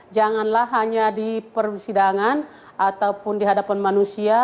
janganlah hanya di persidangan ataupun di hadapan manusia